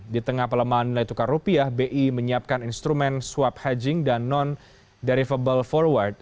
di tengah pelemahan nilai tukar rupiah bi menyiapkan instrumen swab hedging dan non derivable forward